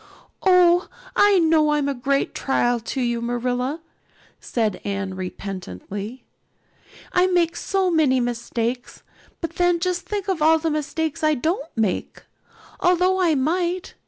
"Oh, I know I'm a great trial to you, Marilla," said Anne repentantly. "I make so many mistakes. But then just think of all the mistakes I don't make, although I might.